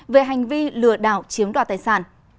về hành vi lừa đảo chiếm đoạt tài sản